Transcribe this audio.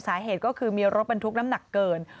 สาเหตุก็คือมีรถบรรทุกน้ำหนักเกิน